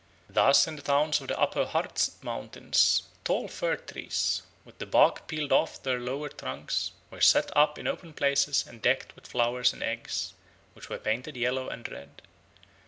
Thus in the towns of the Upper Harz Mountains tall fir trees, with the bark peeled off their lower trunks, were set up in open places and decked with flowers and eggs, which were painted yellow and red.